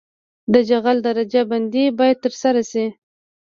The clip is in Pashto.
د جغل درجه بندي باید ترسره شي